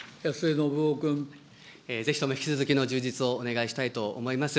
ぜひとも引き続きの充実をお願いしたいと思います。